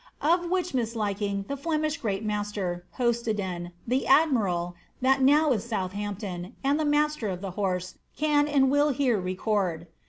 Of which mis liking the Flemish great master (Hostodon), the admiral, that now is (Southampton), and the master of the horse, can and will here record.